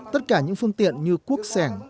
tất cả những phương tiện như cuốc sẻng